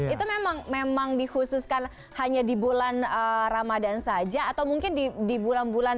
itu memang di khususkan hanya di bulan ramadhan saja atau mungkin di bulan bulan sebelumnya